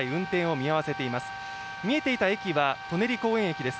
見えていた駅は舎人公園駅です。